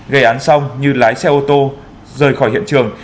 gây án xong như lái xe ô tô rời khỏi hiện trường